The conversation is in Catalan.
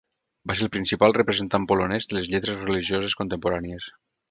Va ser el principal representant polonès de les lletres religioses contemporànies.